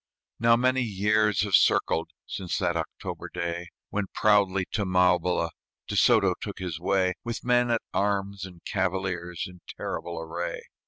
Now many years have circled Since that October day, When proudly to Maubila De Soto took his way, With men at arms and cavaliers In terrible array.